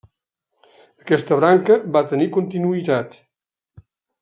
Aquesta branca va tenir continuïtat.